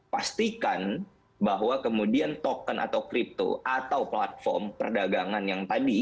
pastikan bahwa kemudian token atau crypto atau platform perdagangan yang tadi